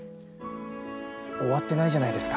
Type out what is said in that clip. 終わってないじゃないですか。